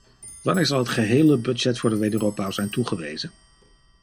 Wanneer zal het gehele budget voor de wederopbouw zijn toegewezen?